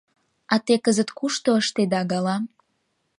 — А те кызыт кушто ыштеда гала?